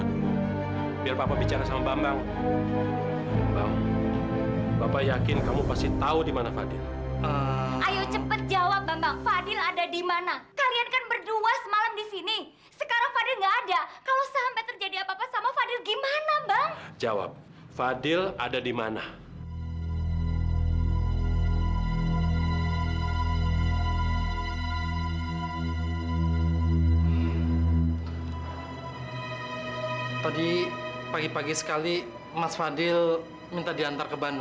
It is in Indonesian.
ke bandung ngapain ke bandung mbak ngapain